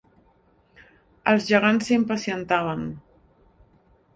Els gegants s'impacientaven